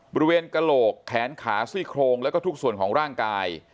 กระโหลกแขนขาซี่โครงแล้วก็ทุกส่วนของร่างกาย